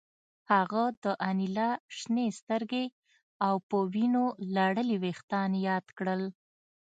هغه د انیلا شنې سترګې او په وینو لړلي ویښتان یاد کړل